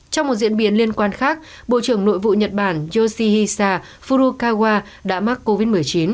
trong một diễn biến liên quan khác bộ trưởng nội vụ nhật bản yoshihisa furokawa đã mắc covid một mươi chín